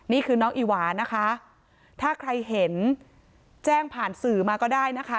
นี่คือน้องอีหวานะคะถ้าใครเห็นแจ้งผ่านสื่อมาก็ได้นะคะ